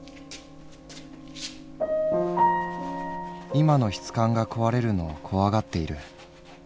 「今の質感が壊れるのを怖がっている。